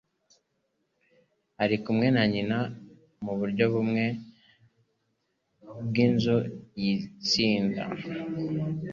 Ari kumwe na nyina muburyo bumwe bwinzu yitsinda.